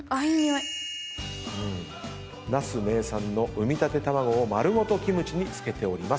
那須名産の産みたて卵を丸ごとキムチに漬けておりますと。